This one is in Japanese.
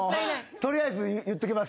「取りあえず言っときます」